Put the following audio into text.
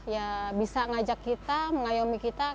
ya bisa ngajak kita mengayomi kita